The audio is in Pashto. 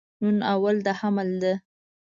نن اول د حمل ده